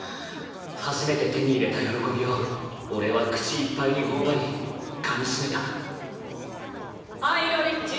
初めて手に入れた喜びを俺は口いっぱいに頬張り噛み締めたハイロ・リッチ。